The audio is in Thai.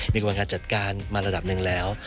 มีกระบวนการจัดการมาระดับหนึ่งแล้ว